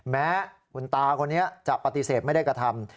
แม้คุณตาคนนี้จะปฏิเสธไม่ได้กระทำ